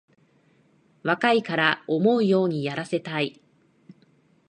若いから思うようにやらせたい